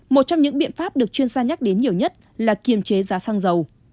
một trong những biện pháp được chuyên gia nhắc đến nhiều nhất là kiềm chế giá xăng dầu